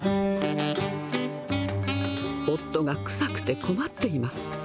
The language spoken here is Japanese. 夫が臭くて困っています。